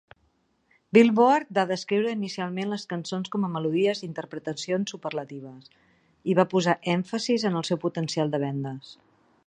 Billboard da descriure inicialment les cançons com a "melodies i interpretacions superlatives", i va posar èmfasi en el seu potencial de vendes.